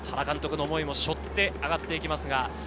原監督の思いも背負って上がっていきます。